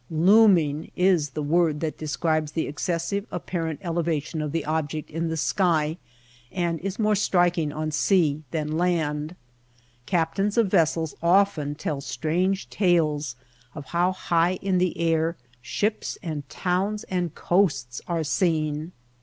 ^^ Loom ing " is the word that describes the excessive Wherein the illusion. ILLUSIONS 121 apparent elevation of the object in the sky and is more striking on sea than land. Captains of vessels often tell strange tales of how high in the air, ships and towns and coasts are seen.